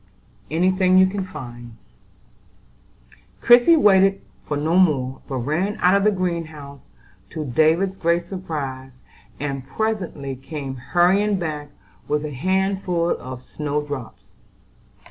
"Any thing you can find." Christie waited for no more, but ran out of the greenhouse to David's great surprise, and presently came hurrying back with a handful of snow drops.